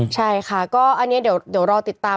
ใช่ค่ะก็อันนี้เดี๋ยวรอติดตาม